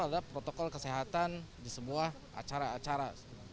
adalah protokol kesehatan di semua acara acara